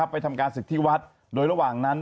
ไปทำการศึกที่วัดโดยระหว่างนั้น